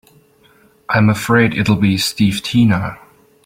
I'm afraid it'll be Steve Tina.